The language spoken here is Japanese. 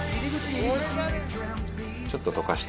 ちょっと溶かしたいね。